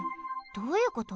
どういうこと？